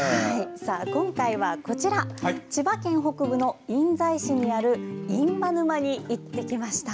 今回は、千葉県北部の印西市にある印旛沼に行ってきました。